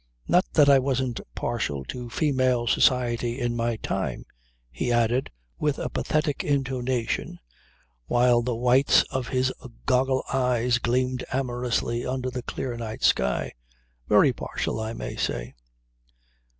Not that I wasn't partial to female society in my time," he added with a pathetic intonation, while the whites of his goggle eyes gleamed amorously under the clear night sky. "Very partial, I may say."